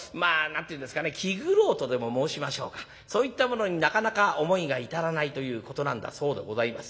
気苦労とでも申しましょうかそういったものになかなか思いが至らないということなんだそうでございます。